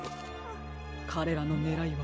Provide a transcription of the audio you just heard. かれらのねらいは。